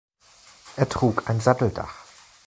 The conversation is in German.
Er trug ein Satteldach.